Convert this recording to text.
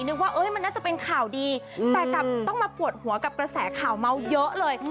นึกว่ามันน่าจะเป็นข่าวดีแต่กลับต้องมาปวดหัวกับกระแสข่าวเมาส์เยอะเลย